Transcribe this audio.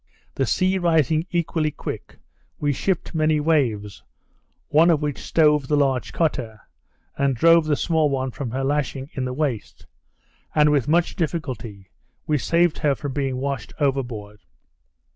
The sea rising equally quick, we shipped many waves, one of which stove the large cutter, and drove the small one from her lashing in the waist; and with much difficulty we saved her from being washed overboard.